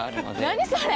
何それ！